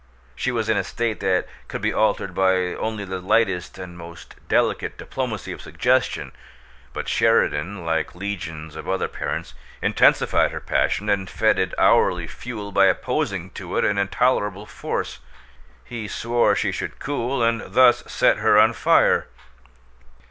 She was in a state that could be altered by only the lightest and most delicate diplomacy of suggestion, but Sheridan, like legions of other parents, intensified her passion and fed it hourly fuel by opposing to it an intolerable force. He swore she should cool, and thus set her on fire.